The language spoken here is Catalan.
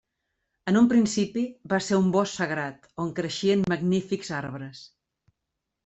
En un principi, va ser un bosc sagrat on creixien magnífics arbres.